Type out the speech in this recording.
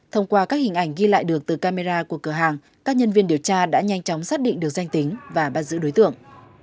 thông qua các hình ảnh ghi lại được từ camera của cửa hàng các nhân viên điều tra đã nhanh chóng xác định được danh tính và bắt giữ đối tượng